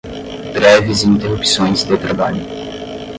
Greves e Interrupções de Trabalho